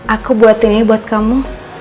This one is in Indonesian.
aku buatin ini buat kamu